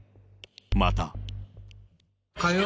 また。